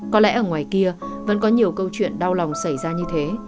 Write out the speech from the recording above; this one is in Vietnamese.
có lẽ ở ngoài kia vẫn có nhiều câu chuyện đau lòng xảy ra như thế